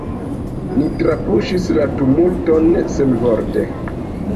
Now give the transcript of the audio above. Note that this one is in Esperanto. Ni trapuŝis la tumulton senvorte.